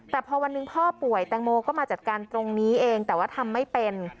แต่พอวันหนึ่งพ่อป่วยแตงโมก็มาจัดการตรงนี้เองแต่ว่าทำไม่เป็น